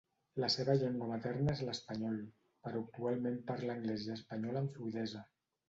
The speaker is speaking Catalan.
La seva llengua materna és l'espanyol, però actualment parla anglès i espanyol amb fluïdesa.